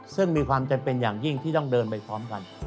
ซึ่งมีความจำเป็นอย่างยิ่งที่ต้องเดินไปพร้อมกัน